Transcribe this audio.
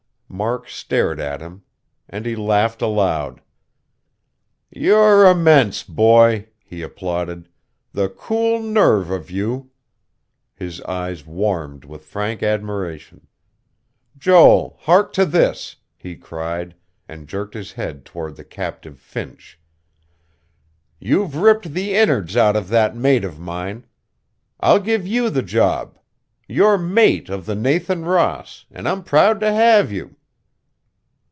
Mark stared at him; and he laughed aloud. "You're immense, boy," he applauded. "The cool nerve of you...." His eyes warmed with frank admiration. "Joel, hark to this," he cried, and jerked his head toward the captive Finch. "You've ripped the innards out of that mate of mine. I'll give you the job. You're mate of the Nathan Ross and I'm proud to have you...."